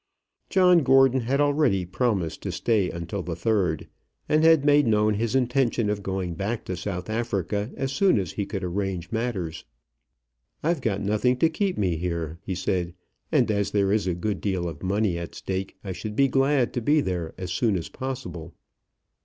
John Gordon had already promised to stay until the third, and had made known his intention of going back to South Africa as soon as he could arrange matters. "I've got nothing to keep me here," he said, "and as there is a good deal of money at stake, I should be glad to be there as soon as possible."